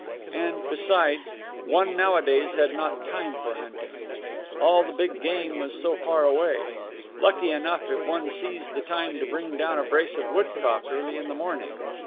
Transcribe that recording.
And, besides, one nowadays had not time for hunting. All the big game was so far away. Lucky enough if one seized the time to bring down a brace of woodcock early in the morning.